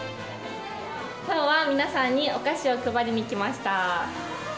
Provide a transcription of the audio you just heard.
きょうは皆さんにお菓子を配りに来ました。